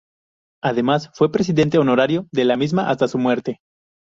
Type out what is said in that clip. Además fue presidente honorario de la misma hasta su muerte.